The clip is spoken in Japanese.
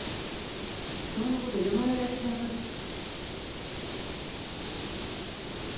そんなこと嫁のやる仕事です。